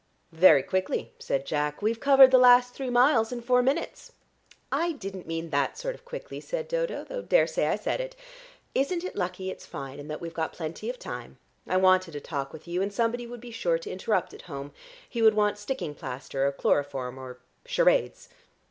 "Very quickly," said Jack. "We've covered the last three miles in four minutes." "I didn't mean that sort of quickly," said Dodo, "though daresay I said it. Isn't it lucky it's fine, and that we've got plenty of time? I wanted a talk with you and somebody would be sure to interrupt at home. He would want sticking plaster or chloroform or charades."